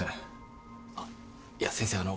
あっいや先生あの。